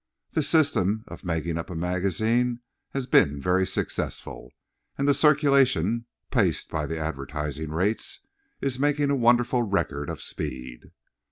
This system of making up a magazine has been very successful; and the circulation, paced by the advertising rates, is making a wonderful record of speed.